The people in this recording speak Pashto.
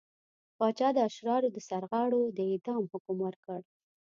پاچا د اشرارو د سرغاړو د اعدام حکم ورکړ.